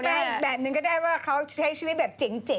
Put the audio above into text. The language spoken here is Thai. แบบหนึ่งก็ได้ว่าเขาใช้ชีวิตแบบเจ๋ง